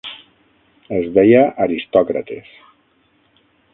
Es deia "Aristòcrates".